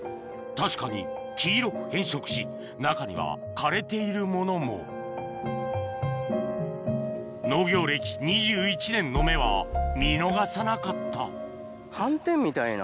確かに黄色く変色し中には枯れているものも農業歴２１年の目は見逃さなかった斑点？